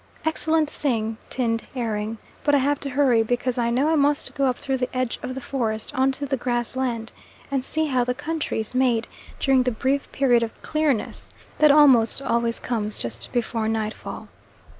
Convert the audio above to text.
Excellent thing tinned herring, but I have to hurry because I know I must go up through the edge of the forest on to the grass land, and see how the country is made during the brief period of clearness that almost always comes just before nightfall.